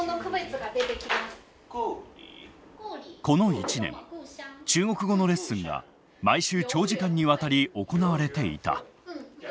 この１年中国語のレッスンが毎週長時間にわたり行われていた。